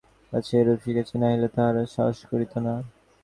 তাহারা অবশ্য তাহাদের মনিবদের কাছেই এইরূপ শিখিয়াছে নহিলে তাহারা সাহস করিত না।